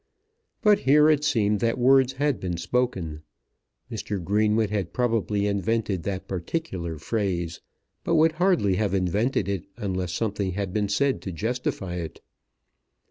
But here it seemed that words had been spoken. Mr. Greenwood had probably invented that particular phrase, but would hardly have invented it unless something had been said to justify it.